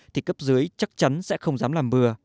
thì cấp dưới chắc chắn sẽ không dám làm bừa